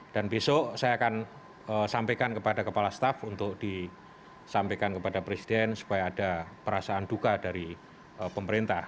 dan besok saya akan sampaikan kepada kepala staff untuk disampaikan kepada presiden supaya ada perasaan duka dari pemerintah